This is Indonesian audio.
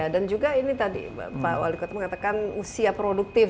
dan juga ini tadi pak walikpapan mengatakan usia produktif